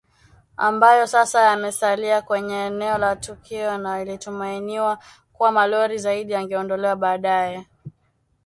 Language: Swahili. ambayo sasa yamesalia kwenye eneo la tukio na ilitumainiwa kuwa malori zaidi yangeondolewa baadaye